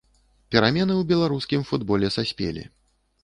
Перамены ў беларускім футболе саспелі.